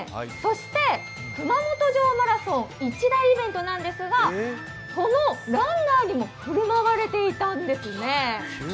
そして熊本城マラソン、一大イベントなんですが、このランナーにも振る舞われていたんですね。